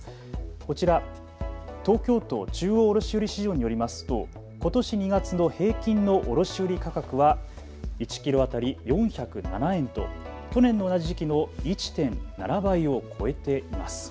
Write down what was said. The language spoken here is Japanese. こちら、東京都中央卸売市場によりますと、ことし２月の平均の卸売価格は１キロ当たり４０７円と去年の同じ時期の１．７倍を超えています。